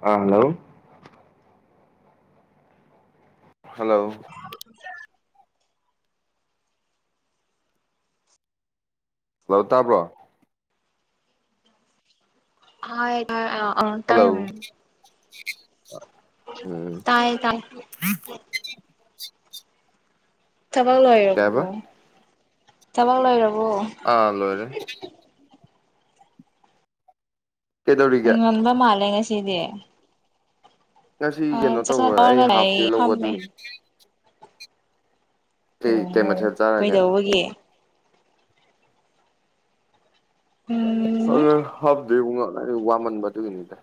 ꯑ hello hello [unintelligible] ꯂꯣ ꯇꯥꯕ꯭ꯔꯣ hello [unintelligible] ꯎꯝ ꯇꯥꯏꯌꯦ ꯇꯥꯏ ꯊꯕꯛ ꯀꯩ ꯍꯥꯏꯕ ꯂꯣꯏꯔꯕꯣ ꯊꯕꯛ ꯂꯣꯏꯔꯕꯣ ꯑꯥ ꯂꯣꯏꯔꯦ ꯀꯩꯗꯧꯔꯤꯒꯦ ꯉꯟꯕ ꯃꯥꯜꯂꯦ ꯉꯁꯤꯗꯦ ꯉꯁꯤ ꯀꯩꯅꯣ ꯆꯥꯛꯆꯥ ꯇꯧꯕ ꯑꯩ ꯇꯣꯛꯑꯒ ꯍꯥꯞ ꯗꯦ ꯂꯩ ꯂꯧꯕ ꯐꯝꯃꯤ ꯑꯗꯨꯒꯤꯅꯤ ꯀꯩ ꯀꯩ ꯑꯣ ꯃꯊꯦꯜ ꯆꯥꯔꯒꯦ ꯀꯩꯗꯧꯕꯒꯤ ꯎꯝ [unintelligible] ꯋꯥꯃꯟꯕ ꯑꯗꯨꯒꯤꯅꯤꯗ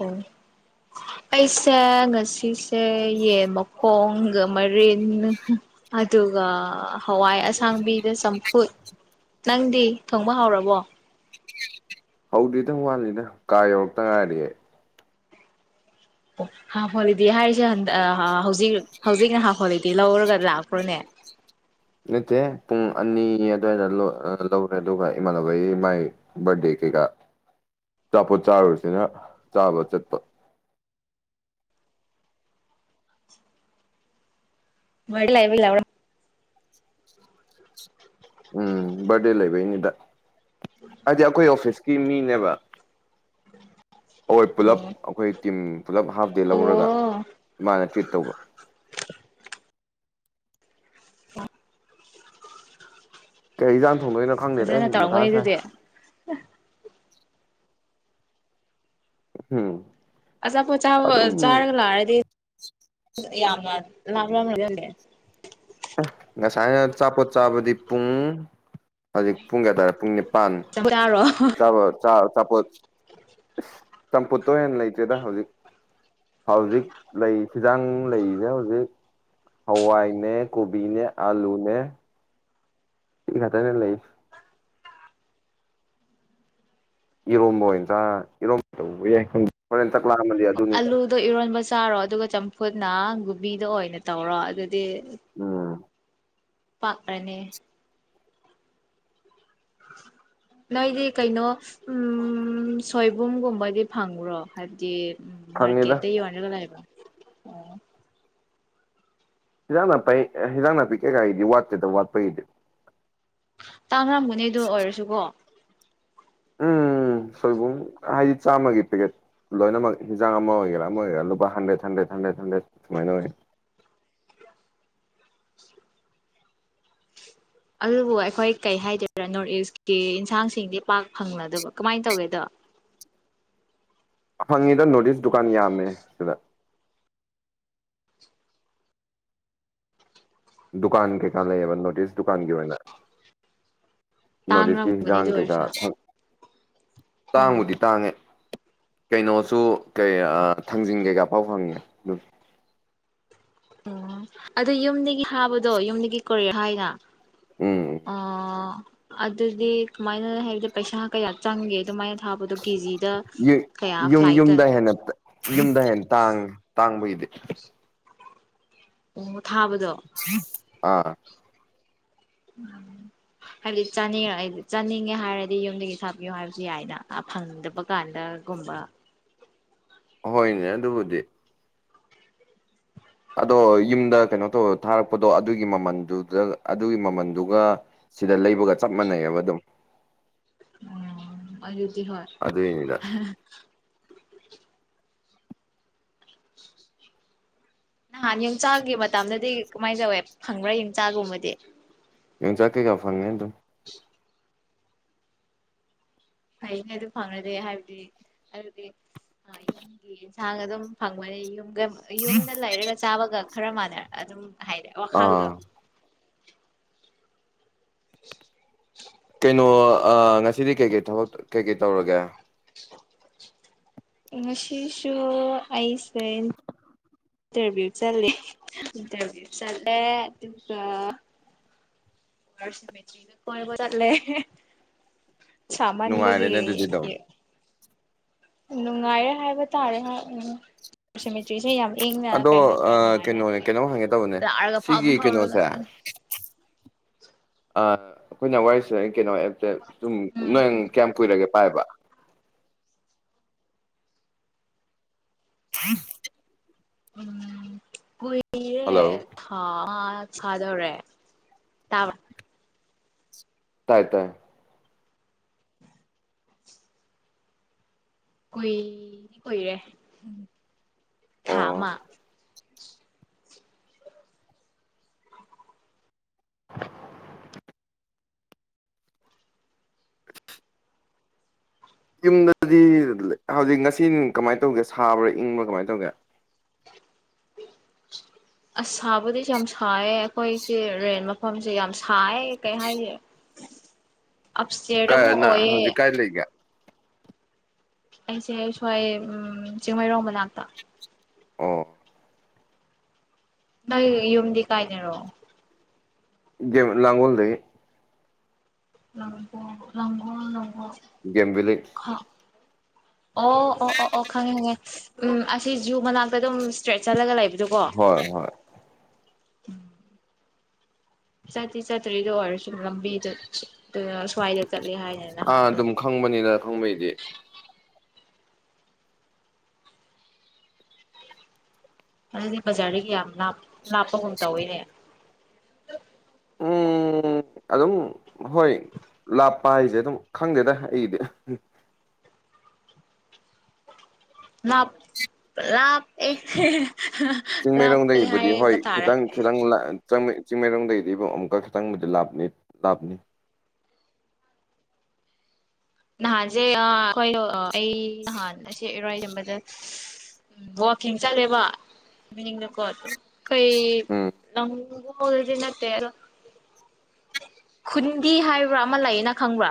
ꯑꯣ ꯑꯩꯁꯦ ꯉꯁꯤꯁꯦ ꯌꯦꯟ ꯃꯈꯣꯡꯒ ꯃꯔꯤꯟ ꯑꯗꯨꯒ ꯍꯋꯥꯏ ꯑꯁꯥꯡꯕꯤꯗ ꯆꯝꯐꯨꯠ ꯅꯪꯗꯤ ꯊꯣꯡꯕ ꯍꯧꯔꯕꯣ ꯍꯧꯗ꯭ꯔꯤꯗ ꯋꯥꯠꯂꯤꯗ ꯀꯥ ꯌꯧꯔꯛꯇ ꯉꯥꯏꯔꯤꯑꯦ ꯑꯣ ꯍꯥꯐ ꯍꯣꯂꯤꯗꯦ ꯍꯥꯏꯔꯤꯁꯦ ꯍꯧꯖꯤꯛ ꯍꯧꯖꯤꯛꯅ ꯍꯥꯐ ꯍꯣꯂꯤꯗꯦ ꯂꯧꯔꯒ ꯂꯥꯛꯄ꯭ꯔꯣꯅꯦ ꯅꯠꯇꯦ ꯄꯨꯡ ꯑꯅꯤ ꯑꯗꯨꯋꯥꯏꯗ ꯂꯧꯔꯦ ꯑꯗꯨꯒ ꯏꯃꯥꯟꯅꯕꯒꯤ ꯃꯥꯏ ꯕꯔꯗꯦ ꯀꯩꯀꯥ ꯑꯆꯥꯄꯣꯠ ꯆꯥꯔꯨꯔꯁꯤꯅ ꯆꯥꯕ ꯆꯠꯄ [unintelligible] ꯎꯝ ꯕꯥꯔꯗꯦ ꯂꯩꯕꯩꯅꯤꯗ ꯍꯥꯏꯗꯤ ꯑꯩꯈꯣꯏ ꯑꯣꯐꯤꯁꯀꯤ ꯃꯤꯅꯦꯕ ꯑꯈꯣꯏ ꯄꯨꯜꯂꯞ ꯑꯣ ꯑꯈꯣꯏ ꯇꯤꯝ ꯄꯨꯂꯞ ꯍꯥꯐ ꯗꯦ ꯂꯧꯔꯒ ꯑꯣ ꯃꯥꯅ ꯇ꯭ꯔꯤꯠ ꯇꯧꯕ ꯀꯩ ꯏꯟꯖꯥꯡ ꯊꯣꯡꯗꯣꯏꯅꯣ ꯈꯪꯗꯦꯗ ꯐꯖꯅ ꯑꯩ ꯃꯊꯥ ꯇꯧꯔꯝꯒꯅꯤ ꯁꯥꯏ ꯑꯗꯨꯗꯤ ꯍꯨꯝ ꯑꯆꯥꯄꯣꯠ ꯆꯥꯕ ꯆꯥꯔꯒ ꯂꯥꯛꯑꯗꯤ ꯌꯥꯝꯅ [unintelligible] ꯉꯁꯥꯏꯅ ꯑꯆꯥꯄꯣꯠ ꯆꯥꯕꯗꯤ ꯄꯨꯡ ꯍꯧꯖꯤꯛ ꯄꯨꯡ ꯀꯌꯥ ꯇꯥꯔꯦ ꯄꯨꯡ ꯄꯥꯟ ꯆꯥꯔꯣ ꯆꯥꯕꯒ ꯆꯥ ꯆꯄꯣꯠ ꯆꯝꯐꯨꯠꯇꯣ ꯑꯣꯏꯅ ꯂꯩꯇꯦꯗ ꯍꯧꯖꯤꯛ ꯍꯧꯖꯤꯛ ꯂꯩ ꯍꯤꯖꯥꯡ ꯂꯩꯔꯤꯁꯦ ꯍꯧꯖꯤꯛ ꯍꯋꯥꯏꯅꯦ ꯀꯣꯕꯤꯅꯦ ꯑꯂꯨꯅꯦ ꯁꯤ ꯉꯥꯛꯇꯅꯦ ꯂꯩ ꯏꯔꯣꯝꯕ ꯑꯣꯏꯅ ꯆꯥ ꯏꯔꯣꯝ ꯇꯧꯕ ꯌꯥꯏ ꯈꯪꯗꯦ ꯍꯣꯔꯦꯟ ꯆꯛ ꯂꯥꯝꯃꯗꯤ ꯑꯗꯨꯅꯤꯅ ꯑꯗꯣ ꯏꯔꯣꯟꯕ ꯆꯥꯔꯣ ꯑꯗꯨꯒ ꯆꯝꯐꯨꯠꯅ ꯒꯨꯕꯤꯗ ꯑꯣꯏꯅ ꯇꯧꯔꯣ ꯑꯗꯨꯗꯤ ꯎꯝ ꯄꯥꯛꯔꯅꯦ [inaudible] ꯅꯣꯏꯒꯤ ꯀꯩꯅꯣ ꯎꯝ ꯁꯣꯏꯕꯨꯝꯒꯨꯝꯕꯗꯤ ꯐꯪꯕ꯭ꯔꯣ ꯍꯥꯏꯕꯗꯤ ꯎꯝ ꯐꯪꯉꯤꯗ ꯃꯥꯔꯀꯦꯠꯇ ꯌꯣꯜꯔꯒ ꯂꯩꯕ ꯍꯤꯟꯖꯥꯡ ꯅꯥꯄꯤ ꯍꯤꯟꯖꯥꯡ ꯅꯥꯄꯤ ꯀꯩꯀꯥꯒꯤꯗꯤ ꯋꯥꯠꯀꯦꯗꯕ ꯋꯥꯠꯄꯒꯤꯗꯤ ꯇꯥꯡꯉꯝꯒꯅꯤ ꯑꯗꯨ ꯑꯣꯏꯔꯁꯨꯀꯣ ꯎꯝ ꯁꯣꯏꯕꯨꯝ ꯍꯥꯏꯗꯤ ꯆꯥꯝꯃꯒꯤ ꯄꯦꯛꯀꯦꯠ ꯂꯣꯏꯅꯃꯛ ꯍꯤꯟꯖꯥꯡ ꯑꯃ ꯑꯣꯏꯒꯦꯔ ꯑꯃ ꯑꯣꯏꯒꯦꯔ ꯂꯨꯄꯥ ꯍꯟꯗ꯭ꯔꯦꯠ ꯍꯟꯗ꯭ꯔꯦꯠ ꯍꯟꯗ꯭ꯔꯦꯠ ꯍꯟꯗ꯭ꯔꯦꯠ ꯁꯨꯃꯥꯏꯅ ꯑꯣꯏꯌꯦ ꯑꯗꯨꯕꯨ ꯑꯩꯈꯣꯏ ꯀꯩ ꯍꯥꯏꯗꯣꯏꯔꯥ ꯅꯣꯔꯠ ꯏꯁꯀꯤ ꯏꯟꯁꯥꯡꯁꯤꯡꯗꯤ ꯄꯥꯛ ꯐꯪꯂꯗꯕ ꯀꯃꯥꯏꯅ ꯇꯧꯒꯦꯗꯣ ꯐꯪꯉꯤꯗ ꯅꯣꯔꯠ ꯏꯁ ꯗꯨꯀꯥꯟ ꯌꯥꯝꯃꯦ ꯁꯤꯗ ꯗꯨꯀꯥꯟ ꯀꯩꯀꯥ ꯂꯩꯌꯦꯕ ꯅꯣꯠ ꯏꯁ ꯗꯨꯀꯥꯟꯒꯤ ꯑꯣꯏꯅ ꯅꯣꯔꯠ ꯏꯁꯀꯤ ꯇꯥꯡꯔꯝꯒꯅꯤ ꯍꯤꯖꯥꯡ ꯑꯗꯨ ꯀꯩꯀꯥ ꯑꯣꯏꯔꯁꯨ ꯑꯣ ꯇꯥꯡꯕꯨꯗꯤ ꯇꯥꯡꯉꯦ ꯀꯩꯅꯣꯁꯨ ꯀꯩ ꯊꯥꯡꯖꯤꯡ ꯀꯩꯀꯥ ꯐꯥꯎ ꯐꯪꯉꯦ ꯑꯗꯨ ꯑꯣ ꯑꯗꯨ ꯌꯨꯝꯗꯒꯤ ꯊꯥꯕꯗꯣ ꯌꯨꯝꯗꯒꯤ ꯀꯔꯤ ꯍꯥꯏꯅ ꯎꯝ ꯑꯣ ꯑꯗꯨꯗꯤ ꯀꯃꯥꯏꯅ ꯍꯥꯏꯕꯗꯤ ꯄꯩꯁꯥ ꯀꯌꯥ ꯆꯪꯒꯦ ꯑꯗꯨꯃꯥꯏꯅ ꯊꯥꯕꯗꯣ ꯀꯦꯖꯤꯗ ꯀꯌꯥ ꯌꯨꯝ ꯐ꯭ꯂꯥꯏꯠꯇ ꯌꯨꯝꯗ ꯍꯦꯟꯅ ꯌꯨꯝꯗ ꯍꯦꯟ ꯇꯥꯡ ꯇꯥꯡꯕꯒꯤꯗꯤ ꯑꯣ ꯊꯥꯕꯗꯣ ꯑꯥ [unintelligible] ꯍꯥꯏꯕꯗꯤ ꯆꯥꯅꯤꯡꯉ ꯑꯩꯗꯤ ꯆꯥꯅꯤꯡꯉꯦ ꯍꯥꯏꯔꯗꯤ ꯌꯨꯝꯗꯒꯤ ꯊꯥꯕꯤꯌꯣ ꯍꯥꯏꯕꯁꯨ ꯌꯥꯏꯗ ꯑꯥ ꯐꯪꯗꯕ ꯀꯥꯟꯗꯒꯨꯝꯕ ꯑꯍꯣꯏꯅꯦ ꯑꯗꯨꯕꯨꯗꯤ ꯑꯗꯣ ꯌꯨꯝꯗ ꯀꯩꯅꯣ ꯇꯧ ꯊꯥꯔꯛꯄꯗꯣ ꯑꯗꯨꯒꯤ ꯃꯃꯜꯗꯨꯗ ꯑꯗꯨꯒꯤ ꯃꯃꯜꯗꯨꯒ ꯁꯤꯗ ꯂꯩꯕꯒ ꯆꯞ ꯃꯥꯟꯅꯩꯌꯦꯕ ꯑꯗꯨꯝ ꯎꯝ ꯑꯗꯨꯗꯤ ꯍꯣꯏ ꯑꯗꯨꯏꯅꯤꯗ [unintelligible] [inaudible] ꯅꯍꯥꯟ ꯌꯣꯡꯆꯥꯛꯒꯤ ꯃꯇꯝꯗꯗꯤ ꯀꯃꯥꯏ ꯇꯧꯋꯦ ꯐꯪꯕ꯭ꯔꯥ ꯌꯣꯡꯆꯥꯛꯒꯨꯝꯕꯗꯤ ꯌꯣꯡꯆꯥꯛ ꯀꯩꯀꯥ ꯐꯪꯉꯦ ꯑꯗꯨꯝ ꯐꯩꯅꯦ ꯑꯗꯨ ꯐꯪꯅꯔꯗꯤ ꯍꯥꯏꯕꯗꯤ ꯑꯗꯨꯗꯤ ꯌꯨꯝꯒꯤ ꯌꯦꯟꯁꯥꯡ ꯑꯗꯨꯝ ꯐꯪꯕꯅꯤ ꯌꯨꯝꯒ ꯌꯨꯝꯗ ꯂꯩꯔꯒ ꯆꯥꯕꯒ ꯈꯔ ꯃꯥꯟꯅꯔ ꯑꯗꯨꯝ ꯍꯥꯏꯔ ꯋꯥꯈꯜꯗꯣ ꯑꯥ ꯀꯩꯅꯣ ꯑꯥ ꯉꯁꯤꯗꯤ ꯀꯩꯀꯩ ꯊꯕꯛ ꯀꯩꯀꯩ ꯇꯧꯔꯒꯦ ꯉꯁꯤꯁꯨ ꯑꯩꯁꯦ ꯏꯟꯇꯔꯚ꯭ꯌꯨ ꯆꯠꯂꯤ ꯏꯟꯇꯔꯚ꯭ꯌꯨ ꯆꯠꯂꯦ ꯑꯗꯨꯒꯥ ꯆꯠꯂꯦ ꯁꯃꯟꯕꯒꯤ ꯅꯨꯡꯉꯥꯏꯔꯦꯅꯦ ꯑꯗꯨꯗꯤ ꯑꯗꯨꯝ ꯅꯨꯡꯉꯥꯏꯔꯦ ꯍꯥꯏꯕ ꯇꯥꯔꯦ ꯁꯤꯃꯤꯇ꯭ꯔꯤꯁꯦ ꯌꯥꯝ ꯏꯪꯅ ꯑꯗꯣ ꯀꯩ ꯍꯥꯏꯗꯣꯏꯔꯥ ꯑ ꯅꯨꯡꯉꯥꯏꯅ ꯀꯩꯅꯣꯅꯦ ꯀꯩꯅꯣꯝ ꯍꯪꯒꯦ ꯇꯧꯕꯅꯦ ꯍꯥꯏꯗꯤ ꯆꯥꯔꯒꯥ ꯐꯝ ꯁꯤꯒꯤ ꯐꯝ ꯀꯩꯅꯣꯁꯦ ꯔꯒꯥ ꯑ ꯑꯩꯈꯣꯏꯅ ꯋꯥꯔꯤ [unintelligible] ꯁꯨꯝ ꯎꯝ ꯅꯪ ꯀꯌꯥꯝ ꯀꯨꯏꯔꯒꯦ ꯄꯥꯏꯕ [unintelligible] [unintelligible] ꯍꯜꯂꯣ ꯑꯥ ꯑꯥ ꯁꯥꯗꯧꯔꯦ ꯇꯥ ꯇꯥꯏ ꯇꯥꯏ ꯀꯨꯏꯗꯤ ꯀꯨꯏꯔꯦ ꯊꯥ ꯑꯣ ꯑꯃ ꯌꯨꯝꯗꯗꯤ ꯍꯧꯖꯤꯛ ꯉꯁꯤ ꯀꯃꯥꯏꯅ ꯇꯧꯒꯦ ꯁꯥꯕ꯭ꯔꯥ ꯏꯪꯕ꯭ꯔꯥ ꯀꯃꯥꯏ ꯇꯧꯒꯦ [inaudible] ꯑꯁ ꯁꯥꯕꯨꯗꯤ ꯌꯥꯝ ꯁꯥꯏꯌꯦ ꯑꯩꯈꯣꯏꯁꯦ ꯔꯦꯟ ꯃꯐꯝꯁꯦ ꯌꯥꯝ ꯁꯥꯏꯌꯦ ꯀꯩ ꯍꯥꯏꯅꯤ ꯑꯞꯁ꯭ꯇꯦꯌꯔꯗ ꯀꯥꯏ ꯑꯃꯨꯛ ꯅꯪ ꯍꯧꯖꯤꯛ ꯑꯣꯏꯌꯦ ꯀꯥꯏ ꯂꯩꯒꯦ ꯑꯩꯁꯦ ꯁ꯭ꯋꯥꯏ ꯎꯝ ꯆꯤꯡꯃꯩꯔꯣꯡ ꯃꯅꯥꯛꯇ ꯑꯣ ꯅꯪꯒꯤ ꯌꯨꯝꯗꯤ ꯀꯥꯏꯗꯔꯣ ꯂꯥꯡꯒꯣꯜ ꯗꯩꯩ ꯂꯥꯡꯒꯣꯜ ꯂꯥꯡꯒꯣꯜ ꯂꯥꯡꯒꯣꯜ ꯒꯦꯝ ꯕꯤꯂꯦꯁ ꯑꯣ ꯑꯣ ꯑꯣ ꯑꯣ ꯈꯪꯉꯦ ꯈꯪꯉꯦ ꯎꯝ ꯑꯁꯤ ꯖꯨ ꯃꯅꯥꯛꯇ ꯑꯗꯨꯝ ꯆꯠꯂꯒ ꯂꯩꯕꯗꯨꯀꯣ ꯍꯣꯏ ꯍꯣꯏ ꯆꯠꯇꯤ ꯆꯠꯇꯔꯤ ꯑꯗꯨ ꯑꯣꯏꯔꯁꯨꯨ ꯂꯝꯕꯤꯗꯣ ꯁ꯭ꯋꯥꯏꯗ ꯆꯠꯂꯦ ꯍꯥꯏꯅꯦ ꯑꯥ ꯅꯍꯥꯟꯗꯣ ꯑꯗꯨꯝ ꯈꯪꯕꯅꯤꯗ ꯈꯪꯕꯩꯗꯤ ꯑꯗꯨꯗꯤ ꯕꯖꯥꯔꯗꯒꯤ ꯌꯥꯝ ꯂꯥꯞ ꯂꯞꯄꯒꯨꯝ ꯇꯧꯌꯦꯅꯦ ꯎꯝ ꯑꯗꯨꯝ ꯍꯣꯏ ꯂꯥꯞ ꯂꯥꯞꯄ ꯍꯥꯏꯁꯦ ꯑꯗꯨꯝ ꯈꯪꯗꯦꯗ ꯑꯩꯒꯤꯗꯤ ꯂꯥꯟ ꯂꯥꯞꯄ‌ꯦ ꯆꯤꯡꯃꯩꯔꯣꯡꯗꯒꯤꯕꯨꯗꯤ ꯍꯣꯏ ꯈꯤꯇꯪ ꯈꯤꯇꯪ ꯆꯤꯡꯃꯩꯔꯣꯡꯗꯒꯤꯗꯤꯕꯨ ꯑꯃꯨꯛꯀ ꯈꯤꯇꯪꯕꯨꯗꯤ ꯂꯥꯞꯄꯅꯤ ꯂꯥꯞ ꯅꯍꯥꯟꯁꯦ ꯑ ꯑꯩꯍꯣꯏꯗ‌ꯣ ꯑꯩ ꯅꯍꯥꯟ ꯁꯤ ꯏꯔ‌ꯣꯏꯁ‌ꯦꯝꯕꯗ ꯎꯝ ꯋꯥꯀꯤꯡ ꯆꯠꯂꯦꯕ ꯃꯅꯤꯡꯅꯀꯣ ꯈ‌ꯣꯏ ꯎꯝ [unintelligible] ꯈꯨꯟꯗꯤ ꯍꯥꯏꯕ꯭ꯔꯥ ꯑꯃ ꯂꯩꯌꯦ ꯅꯪ ꯈꯪꯕ꯭ꯔꯥ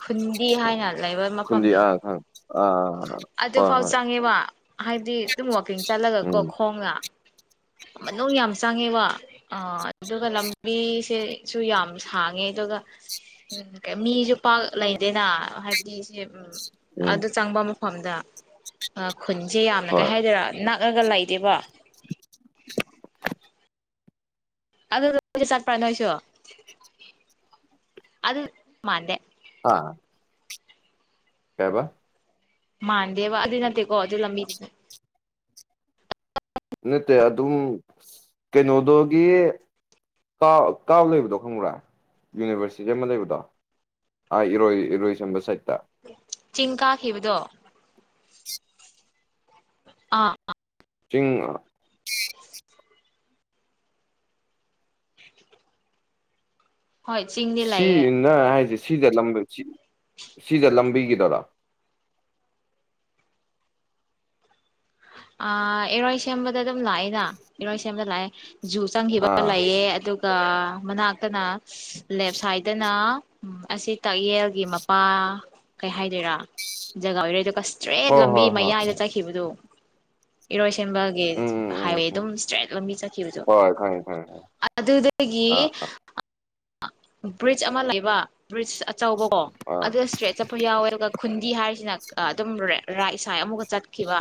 ꯈꯨꯟꯗꯤ ꯍꯥꯏꯅ ꯂꯩꯕ ꯈꯨꯟꯗꯤ ꯃꯐꯝꯗꯣ ꯑ ꯈꯪ ꯑꯥ ꯍꯣꯏ ꯑꯗꯨꯐꯥꯎ ꯍꯣꯏ ꯆꯪꯉꯦꯕ ꯍꯥꯏꯗꯤ ꯑꯗꯨꯝ ꯋꯥꯛꯀꯤꯡ ꯆꯠꯂꯒ ꯀꯣ ꯎꯝ ꯈꯣꯡꯅ ꯃꯅꯨꯡ ꯌꯥꯝ ꯆꯪꯉꯦꯕ ꯑꯥ ꯑꯗꯨꯒ ꯂꯝꯕꯤꯁꯦꯁꯨ ꯌꯥꯝ ꯁꯥꯡꯉꯦ ꯑꯗꯨꯒ ꯎꯝ ꯃꯤꯁꯨ ꯄꯥꯛ ꯂꯩꯗꯦꯅ ꯍꯥꯏꯕꯗꯤ ꯁꯤ ꯎꯝ ꯎꯝ ꯑꯗꯨ ꯆꯪꯕ ꯃꯐꯝꯗ ꯈꯨꯟꯁꯦ ꯌꯥꯝꯅ ꯀꯩ ꯍꯣꯏ ꯍꯥꯏꯗꯣꯏꯔ ꯅꯛꯑꯒ ꯂꯩꯗꯦꯕ ꯑꯗꯨ ꯆꯠꯄ꯭ꯔ ꯅꯣꯏꯁꯨ ꯑꯗꯨ ꯃꯥꯟꯗꯦ ꯑ ꯀꯩ ꯍꯥꯏꯕꯥ ꯃꯥꯟꯗꯦꯕ ꯑꯗꯨꯏ ꯅꯠꯇꯦꯀꯣ ꯑꯗꯨ ꯂꯝꯕꯤꯗꯨꯗꯤ ꯅꯠꯇꯦ ꯑꯗꯨ ꯀꯩꯅꯣꯗꯨꯒꯤ ꯀꯥꯎ ꯀꯥꯎ ꯂꯩꯕꯗꯣ ꯈꯪꯕ꯭ꯔꯥ ꯌꯨꯅꯤꯕꯔꯁꯤꯇꯤ ꯑꯃ ꯂꯩꯕꯗꯣ ꯑ ꯏꯔꯣꯏ ꯏꯔꯣꯏꯁꯦꯝꯕꯗ ꯆꯠ ꯆꯤꯡ ꯀꯥꯈꯤꯕꯗꯣ ꯑꯥ ꯑ ꯆꯤꯡ ꯍꯣꯏ ꯆꯤꯡꯗꯤ ꯁꯤ ꯂꯩꯑꯦ ꯅꯪ ꯍꯥꯏꯁꯦ ꯁꯤꯗ ꯁꯤꯗ ꯂꯝꯕꯤꯒꯤꯗꯔꯣ ꯏꯔꯣꯏ ꯁꯦꯝꯕꯗ ꯑꯗꯨꯝ ꯂꯥꯛꯑꯦꯅ ꯏꯔꯣꯏ ꯁꯦꯝꯕꯗ ꯂꯥꯛꯑꯦ ꯖꯨ ꯆꯪꯈꯤꯕ ꯑꯥ ꯂꯩꯑꯦ ꯑꯗꯨ ꯃꯅꯥꯛꯇꯅ ꯂꯦꯞ ꯁꯥꯏꯠꯇꯅ ꯎꯝ ꯑꯁꯤ ꯇꯥꯛꯌꯦꯜꯒꯤ ꯃꯄꯥ ꯀꯩ ꯍꯥꯏꯗꯣꯏꯔꯥ ꯖꯒꯥ ꯑꯣꯏꯔꯣꯏꯗ ꯏꯁꯇ꯭ꯔꯦꯠ ꯍꯣꯏ ꯂꯝꯕꯤ ꯍꯣꯏ ꯍꯣꯏ ꯃꯌꯥꯏꯗ ꯆꯠꯈꯤꯕꯗꯨ ꯏꯔꯣꯏ ꯁꯦꯝꯕ ꯎꯝ ꯎꯝ ꯎꯝ ꯍꯥꯏꯋꯦ ꯎꯝ ꯑꯗꯨꯝ ꯏꯁꯇ꯭ꯔꯦꯠ ꯂꯝꯕꯤ ꯆꯠꯈꯤꯕꯗꯨ ꯍꯣꯏ ꯈꯪꯉꯦ ꯈꯪꯉꯦ ꯈꯪꯉꯦ ꯑꯗꯨꯗꯒꯤ ꯑꯥ ꯑꯥ ꯕ꯭ꯔꯤꯖ ꯑꯃ ꯂꯩꯕ ꯕ꯭ꯔꯤꯖ ꯑꯆꯧꯕꯀꯣ ꯑꯥ ꯑꯗꯨꯗ ꯏꯁꯇ꯭ꯔꯦꯠ ꯌꯥꯎꯋꯦ ꯑꯗꯨꯒ ꯈꯨꯟꯗꯤ ꯍꯥꯏꯁꯤꯅ ꯑꯗꯨꯝ ꯔꯥꯏꯠ ꯁꯥꯏꯠ ꯑꯃꯨꯛꯀ ꯆꯠꯈꯤꯕ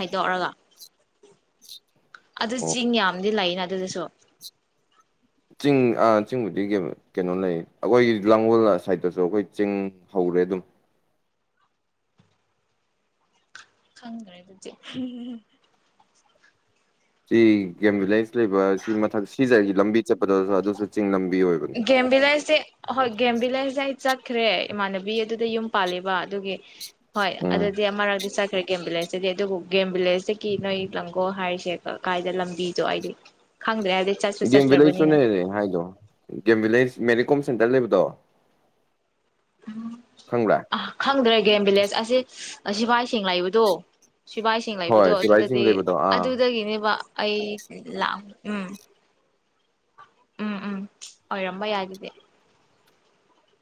ꯍꯥꯏꯗꯣꯛꯔꯒ ꯑꯗꯨ ꯑꯣ ꯆꯤꯡ ꯌꯥꯝꯗꯤ ꯂꯩꯅ ꯑꯗꯨꯗꯁꯨ ꯆꯤꯡ ꯑꯥ ꯆꯤꯡꯕꯨꯗꯤ ꯀꯩꯅꯣ ꯂꯩ ꯑꯩꯈꯣꯏꯒꯤ ꯂꯥꯡꯒꯣꯜ ꯁꯥꯏꯠꯇꯁꯨ ꯑꯩꯈꯣꯏ ꯆꯤꯡ ꯍꯧꯔꯦ ꯑꯗꯨꯝ ꯈꯪꯗ꯭ꯔꯦ ꯑꯗꯨꯗꯤ ꯁꯤ ꯒꯦꯝ ꯚꯤꯂꯦꯖ ꯂꯩꯕ ꯁꯤ ꯃꯊꯛ ꯁꯤꯖꯒꯤ ꯂꯝꯕꯤ ꯆꯠꯄꯗꯁꯨ ꯑꯗꯨꯁꯨ ꯆꯤꯡ ꯂꯝꯕꯤ ꯑꯣꯏꯕꯅꯤ ꯒꯦꯝ ꯚꯤꯂꯦꯖꯁꯦ ꯍꯣꯏ ꯒꯦꯝ ꯚꯤꯂꯦꯖꯁꯦ ꯑꯩ ꯆꯠꯈ꯭ꯔꯦ ꯏꯃꯥꯟꯅꯕꯤ ꯑꯗꯨꯗ ꯌꯨꯝ ꯄꯥꯜꯂꯤꯕ ꯑꯗꯨꯒꯤ ꯍꯣꯏ ꯎꯝ ꯑꯗꯨꯗꯤ ꯑꯃꯔꯛꯗꯤ ꯆꯠꯈ꯭ꯔꯦ ꯒꯦꯝ ꯕꯤꯂꯦꯖ ꯆꯠꯆꯗꯦ ꯑꯗꯨꯕꯨ ꯒꯦꯝ ꯚꯤꯂꯦꯖꯇꯒꯤ ꯅꯣꯏ ꯂꯥꯡꯒꯣꯜ ꯍꯥꯏꯔꯤꯁꯦ ꯀꯥꯏꯗ ꯂꯝꯕꯤꯗꯣ ꯑꯩꯗꯤ ꯈꯪꯗ꯭ꯔꯦ ꯍꯥꯏꯗꯤ ꯒꯦꯝ ꯕꯤꯂꯦꯖꯇꯨꯅꯦ ꯂꯩ ꯍꯥꯏꯗꯣ game village Mary Kom centre ꯂꯩꯕꯗꯣ ꯈꯪꯕ꯭ꯔꯥ ꯑ ꯈꯪꯗ꯭ꯔꯦ ꯒꯦꯝ ꯚꯤꯂꯦꯖ ꯑꯁꯤ ꯁꯤꯐꯥꯏ ꯁꯤꯡ ꯂꯩꯕ ꯗꯣ ꯁꯤꯕꯥꯏꯁꯤꯡ ꯍꯣꯏ ꯂꯩꯕꯗꯣ ꯁꯤꯕꯥꯏ ꯆꯤꯡ ꯑꯗꯨꯗꯗꯤ ꯂꯩꯕꯗꯣ ꯑꯥ ꯑꯗꯨꯗꯒꯤꯅꯦꯕ ꯑꯩ ꯂꯥꯛ ꯎꯝ ꯎꯝ ꯎꯝ ꯑꯣꯏꯔꯝꯕ ꯌꯥꯏ ꯑꯗꯨꯗꯤ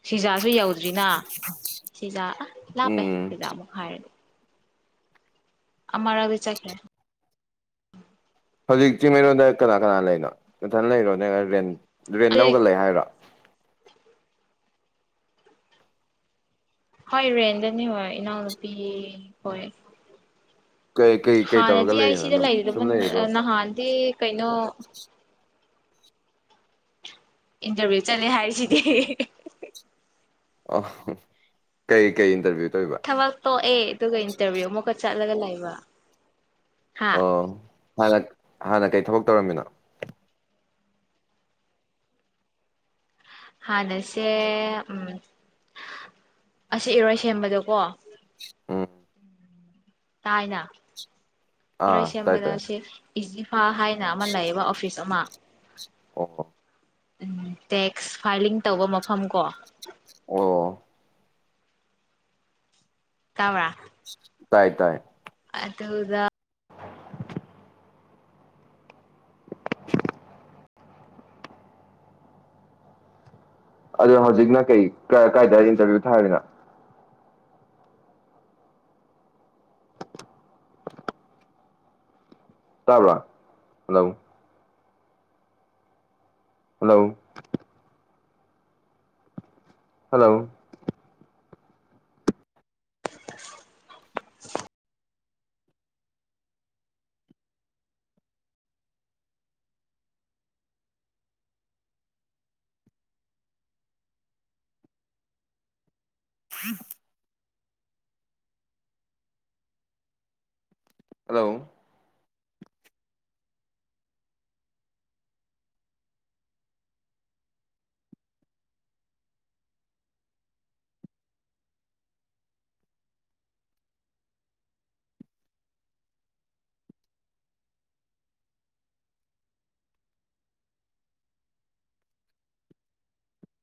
ꯁꯤꯖꯥꯁꯨ ꯌꯧꯗ꯭ꯔꯤꯅ ꯁꯤꯖꯥ ꯑ ꯂꯥꯞꯄꯦ ꯎꯝ ꯁꯤꯖ ꯑꯃꯨꯛ ꯍꯥꯏꯔꯗꯤ ꯑꯃꯔꯛꯗꯤ ꯆꯠꯈꯔ꯭ꯦ ꯍꯧꯖꯤꯛ ꯆꯤꯡꯃꯩꯔꯣꯡꯗ ꯀꯅꯥ ꯀꯅꯥ ꯂꯩꯅꯣ ꯅꯊꯟ ꯂꯩꯔꯣ ꯅꯪ ꯔꯦꯟ ꯔꯦꯟ ꯑꯗꯨ ꯂꯧꯔꯒ ꯂꯩ ꯍꯥꯏꯔꯣ ꯍꯣꯏ ꯔꯦꯟꯗꯅꯤ ꯍꯣꯏ ꯏꯅꯥꯎꯅꯨꯄꯤ ꯍꯣꯏ ꯀꯩ ꯀꯩ ꯇꯧꯔꯒ ꯍꯥꯟꯅꯗꯤ ꯑꯩ ꯂꯩꯔꯤꯅꯣ ꯁꯤꯗ ꯑꯗꯨꯝ ꯂꯩꯒꯗꯕ ꯁꯨꯝ ꯂꯩꯔꯤꯔꯣ ꯅꯍꯥꯟꯗꯤ ꯀꯩꯅꯣ ꯏꯟꯇꯔꯚꯤꯌꯨ ꯆꯠꯂꯦ ꯍꯥꯏꯔꯤꯁꯤꯗꯤ ꯑꯣ ꯀꯩ ꯀꯩ ꯏꯟꯇꯔꯚꯤꯌꯨ ꯇꯧꯔꯤꯕ ꯊꯕꯛ ꯇꯣꯛꯑꯦ ꯑꯗꯨꯒ ꯏꯟꯇꯔꯚꯤꯌꯨ ꯑꯃꯨꯛꯀ ꯆꯠꯂꯒ ꯂꯩꯕ ꯍꯥ ꯑꯣ ꯍꯥꯟꯅ ꯍꯥꯟꯅ ꯀꯩ ꯊꯕꯛ ꯇꯧꯔꯝꯃꯤꯅꯣ ꯍꯥꯟꯅꯁꯦ ꯎꯝ ꯑꯁꯤ ꯏꯔꯣꯏ ꯁꯦꯝꯕꯗꯀꯣ ꯎꯝ ꯇꯥꯏꯅ ꯏꯔꯣꯏ ꯑꯥ ꯇꯥꯏ ꯁꯦꯝꯕꯗ ꯇꯥꯏ ꯁꯤ ꯏꯖꯤꯐꯥ ꯍꯥꯏꯅ ꯑꯃ ꯂꯩꯌꯦꯕ ꯑꯣꯐꯤꯁ ꯑꯃ ꯑꯣ ꯎꯝ ꯇꯦꯛꯁ ꯐꯥꯏꯂꯤꯡ ꯇꯧꯕ ꯃꯐꯝ ꯀꯣ ꯑꯣ ꯇꯥꯕꯔ꯭ ꯇꯥꯏ ꯇꯥꯏ ꯑꯗꯨꯗ ꯑꯗꯣ ꯍꯧꯖꯤꯛꯅ ꯀꯩ ꯀꯥꯏꯗꯥ ꯏꯟꯇꯔꯚꯤꯌꯨ ꯊꯥꯔꯤꯅꯣ ꯇꯥꯕ꯭ꯔꯥ ꯍꯜꯂꯣ ꯍꯜꯂꯣ ꯍꯜꯂꯣ [inaudible] ꯍꯜꯂꯣ